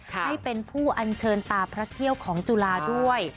ให้เป็นผู้อัญเชิญตาพระเที่ยวของจุฬาด้วย